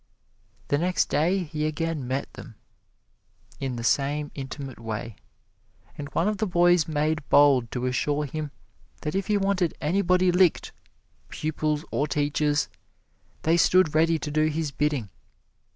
The next day he again met them in the same intimate way, and one of the boys made bold to assure him that if he wanted anybody licked pupils or teachers they stood ready to do his bidding.